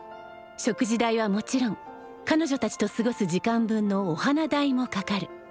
食事代はもちろん彼女たちと過ごす時間分のお花代もかかる。